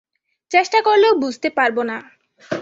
চেষ্টা করলেও বুঝতে পারব না।